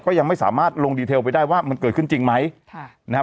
ยังไม่สามารถลงดีเทลไปได้ว่ามันเกิดขึ้นจริงไหมค่ะนะครับ